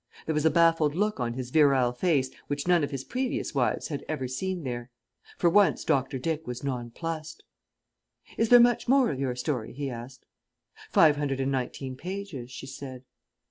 There was a baffled look on his virile face which none of his previous wives had ever seen there. For once Dr. Dick was nonplussed! "Is there much more of your story?" he asked. "Five hundred and nineteen pages," she said.